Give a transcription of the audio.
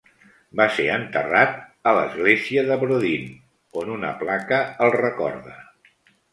Va ser enterrat a l'església de Brodin, on una placa el recorda.